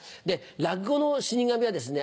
落語の『死神』はですね